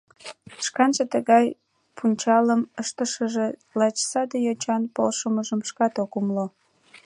Шканже тыгай пунчалым ышташыже лач саде йочан полшымыжым шкат ок умыло.